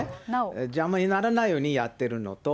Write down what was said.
邪魔にならないようにやってるのと。